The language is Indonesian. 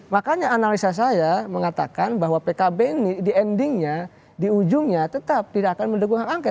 makanya analisa saya mengatakan bahwa pkb ini di endingnya di ujungnya tetap tidak akan mendukung hak angket